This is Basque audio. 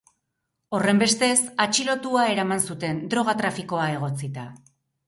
Horrenbestez, atxilotuta eraman zuten, droga-trafikoa egotzita.